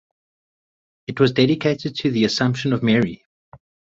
It was dedicated to the Assumption of Mary.